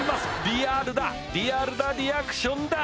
リアルだリアルなリアクションだ